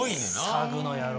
サグの野郎。